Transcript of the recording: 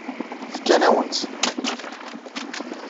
Fkan-awen-tt.